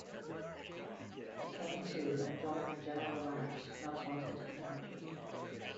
He came to and joined the general rout not wanting to be captured.